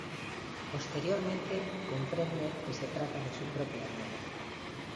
Posteriormente comprende que se trata de su propia hermana.